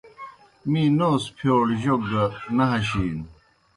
می نوس پِھیؤڑ جوک گہ نہ ہشِینوْ۔